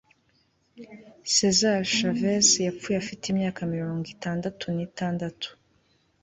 Cesar Chavez yapfuye afite imyaka mirongo itandatu nitandatu